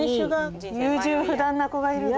優柔不断な子がいるで。